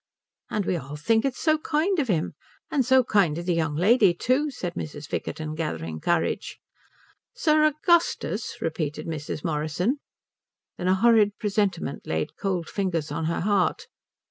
"And we all think it so kind of him, and so kind of the young lady too," said Mrs. Vickerton, gathering courage. "Sir Augustus?" repeated Mrs. Morrison. Then a horrid presentiment laid cold fingers on her heart.